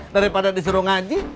daripada disuruh ngaji